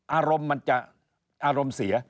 อารมณ์มันจะอารมณ์เสีย